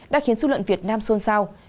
đã khiến dư luận việt nam xôn xao